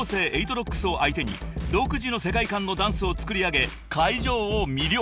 ＲＯＣＫＳを相手に独自の世界観のダンスを作り上げ会場を魅了し］